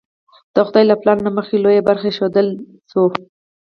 د خدای له پلان له مخې لویه برخه ایښودل شوې.